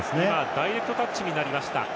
ダイレクトタッチになりました。